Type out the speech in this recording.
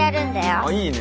あっいいね。